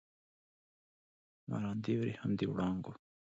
مراندې وریښم د وړانګو